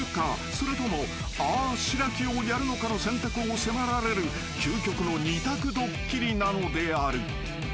それともあぁしらきをやるのかの選択を迫られる究極の２択ドッキリなのである］